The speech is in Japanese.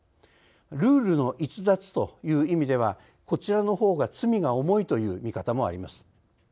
ルールの逸脱という意味ではこちらの方が罪が重いという見方もあります。